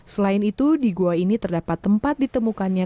selain itu di gua ini terdapat tempat ditemukannya